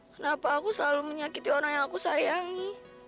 kenapa aku selalu menyakiti orang yang aku sayangi